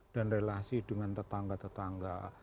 dan relasi dengan tetangga tetangga